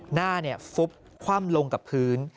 หน้าฟุบคว่ำลงกับพื้น